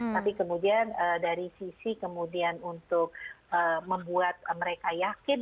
tapi kemudian dari sisi kemudian untuk membuat mereka yakin